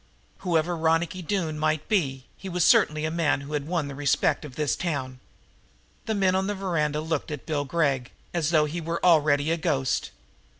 Whoever Ronicky Doone might be, he was certainly a man who had won the respect of this town. The men on the veranda looked at Bill Gregg as though he were already a ghost.